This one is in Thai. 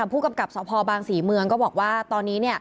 ผู้กำกับสพบางศรีเมืองก็บอกว่าตอนนี้